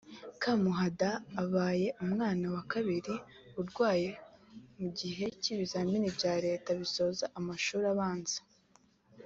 Kamuhanda abaye umwana wa kabiri urwaye mu gihe cy’ibizamini bya leta bisoza amashuri abanza